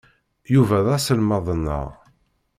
Yuba d aselmad-nneɣ.